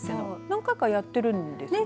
何回かやってるんですよね。